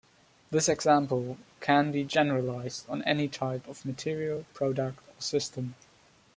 This example can be generalized on any type of material, product, or system.